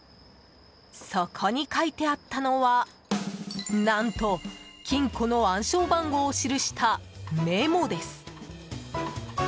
そこに書いてあったのは何と金庫の暗証番号を記したメモです。